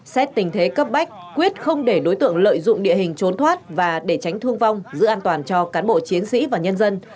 xét tình thế cấp bách quyết không để đối tượng lợi dụng địa hình trốn thoát và để tránh thương vong giữ an toàn cho cán bộ chiến sĩ và nhân dân